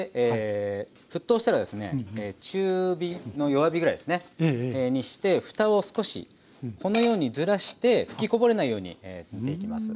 中火の弱火ぐらいにしてふたを少しこのようにずらして吹きこぼれないように煮ていきます。